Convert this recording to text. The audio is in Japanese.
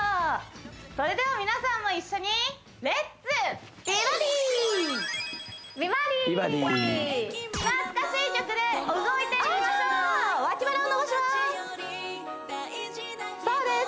それでは皆さんも一緒に懐かしい曲で動いてみましょうあ脇腹を伸ばしますそうです